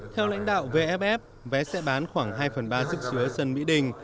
theo lãnh đạo vff vé sẽ bán khoảng hai phần ba sức chứa sân mỹ đình